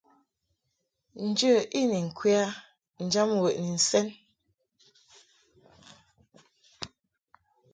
Njə i ni ŋkwe a njam wəʼni nsɛn.